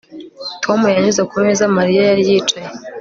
Tom yanyuze ku meza Mariya yari yicaye